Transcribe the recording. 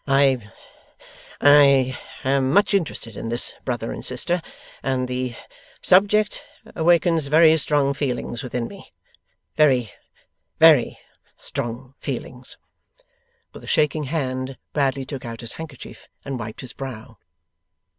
I I am much interested in this brother and sister, and the subject awakens very strong feelings within me. Very, very, strong feelings.' With a shaking hand, Bradley took out his handkerchief and wiped his brow.